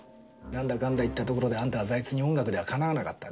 なんだかんだ言ったところであんたは財津に音楽ではかなわなかった。